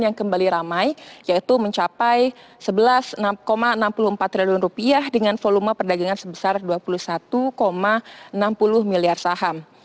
yang kembali ramai yaitu mencapai rp sebelas enam puluh empat triliun dengan volume perdagangan sebesar dua puluh satu enam puluh miliar saham